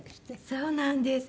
そうなんです。